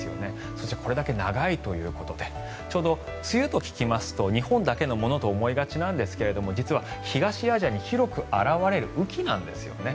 そしてこれだけ長いということで梅雨と聞きますと日本だけのものと思いがちなんですが実は東アジアに広く表れる雨期なんですよね。